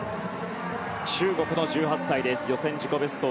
中国の１８歳、予選自己ベスト。